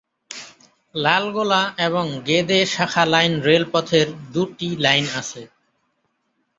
লালগোলা এবং গেদে শাখা লাইন রেলপথের দুটি লাইন আছে।